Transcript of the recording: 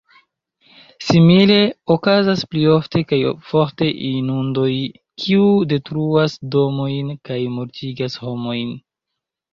Simile okazas pli ofte kaj forte inundoj, kiuj detruas domojn kaj mortigas homojn.